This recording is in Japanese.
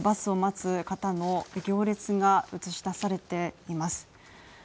バスを待つか他の行列が映し出されています。